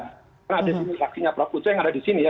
karena ada disini raksinya praputusnya yang ada disini ya